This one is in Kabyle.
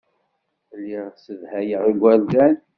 Lliɣ ssedhayeɣ igerdan.